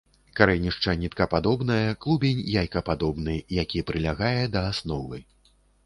Карэнішча ніткападобнае, клубень яйкападобны, які прылягае да асновы.